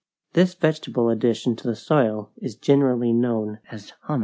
This vegetable addition to the soil is generally known as humus.